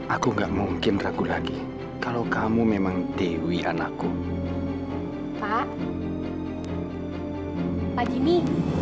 aku nggak mungkin ragu lagi kalau kamu memang dewi anakku pak pak gini